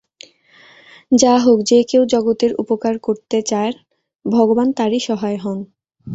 যা হোক, যে-কেউ জগতের উপকার করতে চায়, ভগবান তারই সহায় হউন।